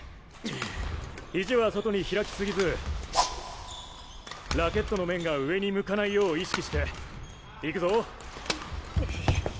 肘は外に開きすぎずラケットの面が上に向かないよう意識して行くぞ。